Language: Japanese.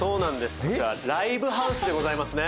ライブハウスでございますね。